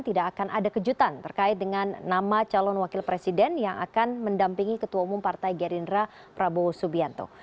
tidak akan ada kejutan terkait dengan nama calon wakil presiden yang akan mendampingi ketua umum partai gerindra prabowo subianto